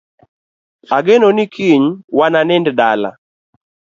Ageno ni kiny wananind dala